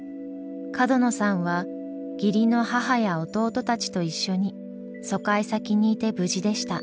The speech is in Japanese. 角野さんは義理の母や弟たちと一緒に疎開先にいて無事でした。